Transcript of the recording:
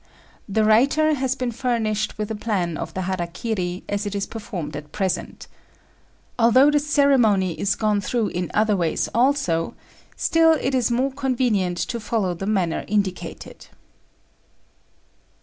The writer has been furnished with a plan of the hara kiri as it is performed at present. Although the ceremony is gone through in other ways also, still it is more convenient to follow the manner indicated.